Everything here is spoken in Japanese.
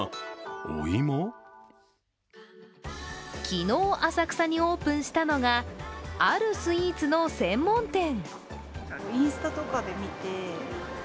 昨日、浅草にオープンしたのがあるスイーツの専門店。